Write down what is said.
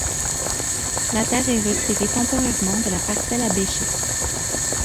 La terre est retirée temporairement de la parcelle à bêcher.